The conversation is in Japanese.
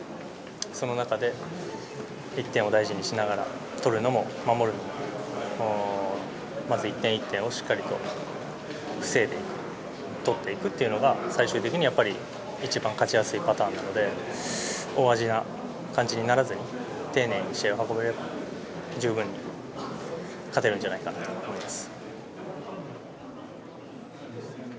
その中で１点を大事にしながら取るのも、守るのもまず１点１点をしっかりと防いでいく取っていくのが最終的に一番勝ちやすいパターンなので大味な感じにならず丁寧に試合を運べれば十分に勝てるんじゃないかなと思います。